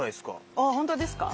ああ本当ですか。